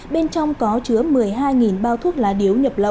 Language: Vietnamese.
bên trong có chứa một mươi hai bao thuốc lá điếu